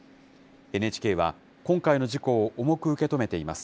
ＮＨＫは、今回の事故を重く受け止めています。